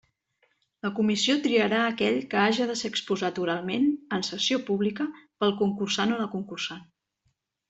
La comissió triarà aquell que haja de ser exposat oralment, en sessió pública, pel concursant o la concursant.